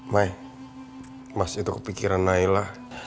mai mas itu kepikiran naila